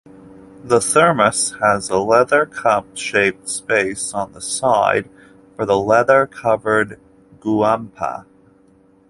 The thermos has a leather cup-shaped space on the side for the leather-covered guampa.